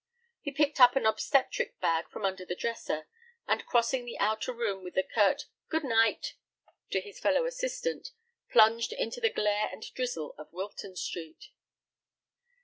He picked up an obstetric bag from under the dresser, and crossing the outer room with a curt "good night" to his fellow assistant, plunged into the glare and drizzle of Wilton High Street.